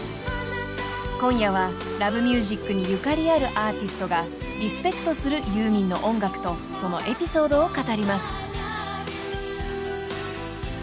［今夜は『Ｌｏｖｅｍｕｓｉｃ』にゆかりあるアーティストがリスペクトするユーミンの音楽とそのエピソードを語ります］